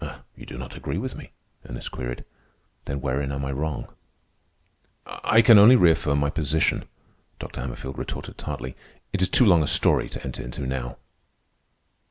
"You do not agree with me?" Ernest queried. "Then wherein am I wrong?" "I can only reaffirm my position," Dr. Hammerfield retorted tartly. "It is too long a story to enter into now."